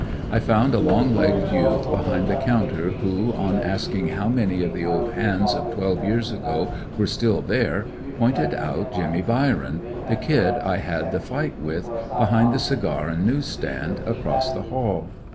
I found a long legged youth behind the counter who, on asking how many of the old hands of twelve years ago were still there, pointed out Jimmy Byron, the kid I had the fight with, behind the cigar and news stand, across the hall.